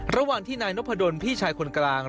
ระหว่างที่นายนพดลพี่ชายคนกลาง